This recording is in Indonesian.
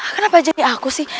kenapa jadi aku sih